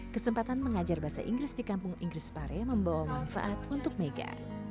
kesempatan mengajar bahasa inggris di kampung inggris pare membawa manfaat untuk mega